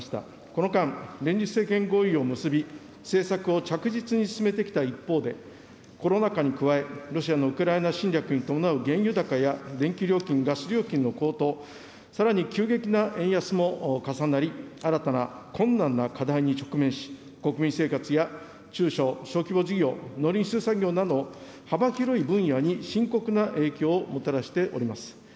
この間、連立政権合意を結び、政策を着実に進めてきた一方で、コロナ禍に加え、ロシアのウクライナ侵略に伴う原油高や電気料金、ガス料金の高騰、さらに急激な円安も重なり、新たな困難な課題に直面し、国民生活や中小・小規模事業、農林水産業などの幅広い分野に深刻な影響をもたらしております。